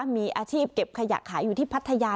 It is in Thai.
มีอาชีพเก็บขยะขายอยู่ที่พัทยา